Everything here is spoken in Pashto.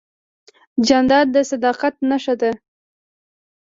جانداد د صداقت نښه ده.